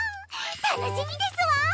楽しみですわ。